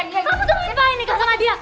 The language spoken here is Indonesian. kamu tuh mimpain nikah sama dia